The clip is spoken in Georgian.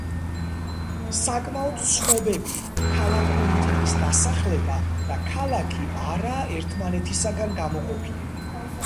საკმაოდ ცნებები ქალაქური ტიპის დასახლება და ქალაქი არაა ერთმანეთისაგან გაყოფილი.